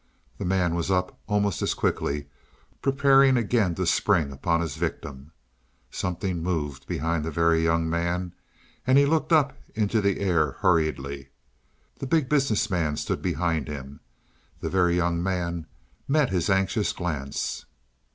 The man was up almost as quickly, preparing again to spring upon his victim. Something moved behind the Very Young Man, and he looked up into the air hurriedly. The Big Business Man stood behind him; the Very Young Man met his anxious glance.